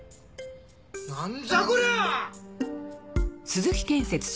何じゃこりゃ！？